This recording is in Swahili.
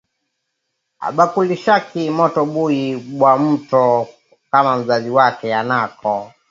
Abakulishaki mtoto buyi bwa moto kama mzazi wake anako